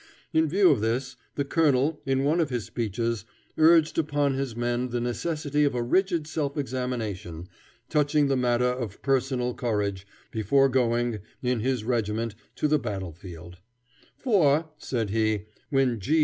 In view of this, the colonel, in one of his speeches, urged upon his men the necessity of a rigid self examination, touching the matter of personal courage, before going, in his regiment, to the battle field; "For," said he, "where G.